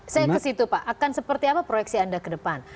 saya ke situ pak akan seperti apa proyeksi anda ke depan